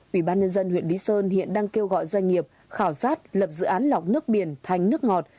ủy ban nhân dân huyện lý sơn hiện đang kêu gọi doanh nghiệp khảo sát lập dự án lọc nước biển thành nước ngọt